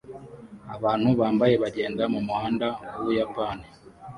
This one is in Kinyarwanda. Abantu bambaye bagenda mumuhanda wu Buyapani